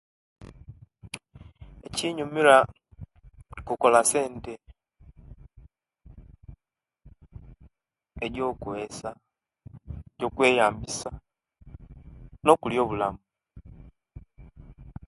Ekinyumira kukola sente egyo'koyesa egyo'kweyambisa nokulya obulamu